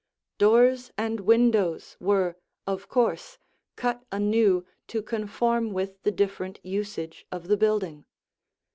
Doors and windows were, of course, cut anew to conform with the different usage of the building.